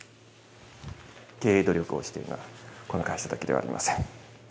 経営努力をしているのは、この会社だけではありません。